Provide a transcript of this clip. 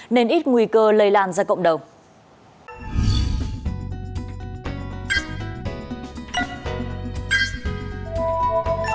nên ít nguy cơ lây lan ra cộng đồng